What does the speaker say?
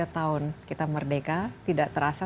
tujuh puluh tiga tahun kita merdeka tidak terasa